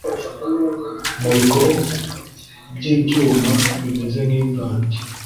mu bikopo by’ibyuma bimeze nk’ibati.